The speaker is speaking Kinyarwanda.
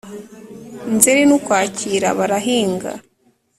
nzeri n’ukwakira barahinga